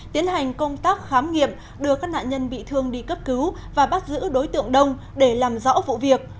tiến hành công tác khám nghiệm đưa các nạn nhân bị thương đi cấp cứu và bắt giữ đối tượng đông để làm rõ vụ việc